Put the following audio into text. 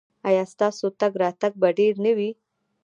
ایا ستاسو تګ راتګ به ډیر نه وي؟